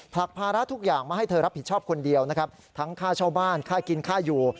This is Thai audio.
ผลักภาระทุกอย่างมาให้เธอรับผิดชอบคนเดียวนะครับทั้งค่าเช่าบ้านค่ากินค่าอยู่